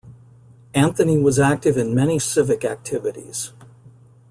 Anthony was active in many civic activities.